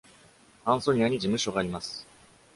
アンソニアに事務所があります。